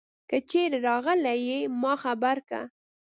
که چیری راغلي ما خبر که